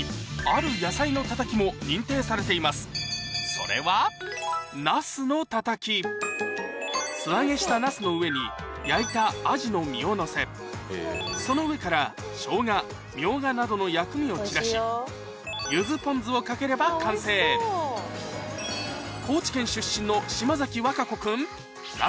それは素揚げしたナスの上に焼いたアジの身をのせその上からショウガミョウガなどの薬味を散らしゆずポン酢をかければ完成お願いします